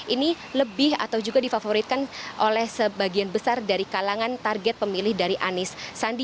ini lebih atau juga difavoritkan oleh sebagian besar dari kalangan target pemilih dari anies sandi